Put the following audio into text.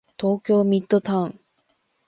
東京ミッドタウン